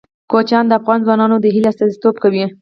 کوچیان د افغان ځوانانو د هیلو استازیتوب کوي.